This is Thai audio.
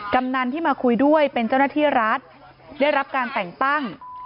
กำนันที่มาคุยด้วยเป็นเจ้าหน้าที่รัฐได้รับการแต่งตั้ง